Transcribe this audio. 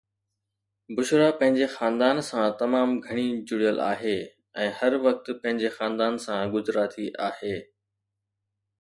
بشرا پنهنجي خاندان سان تمام گهڻي جڙيل آهي ۽ هر وقت پنهنجي خاندان سان گجراتي آهي